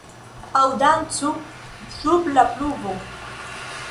Aŭ dancu sub la pluvo!